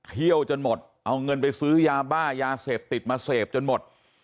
เที่ยวจนหมดเอาเงินไปซื้อยาบ้ายาเสพติดมาเสพจนหมด